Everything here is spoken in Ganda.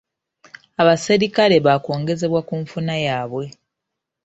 Abaserikale baakwongezebwa ku nfuna yaabwe.